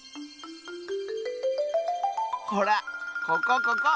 ほらここここ！